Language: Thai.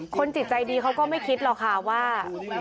จิตใจดีเขาก็ไม่คิดหรอกค่ะว่า